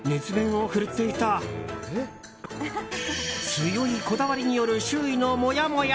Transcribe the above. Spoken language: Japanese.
強いこだわりによる周囲のモヤモヤ。